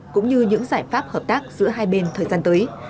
cũng như những giải pháp hợp tác giữa hai bên thời gian tới